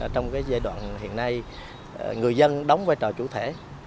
trong giai đoạn hiện nay người dân đóng vai trò chủ thể